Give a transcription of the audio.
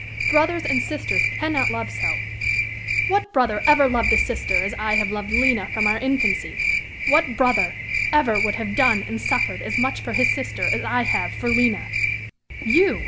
brothers and sisters cannot love so. What brother ever loved a sister as I have loved Lina from our infancy? What brother ever would have done and suffered as much for his sister as I have for Lina?" "You!